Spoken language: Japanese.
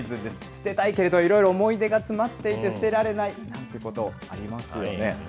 捨てたいけれど、いろいろ思い出が詰まっていて捨てられないなんてこと、ありますよね。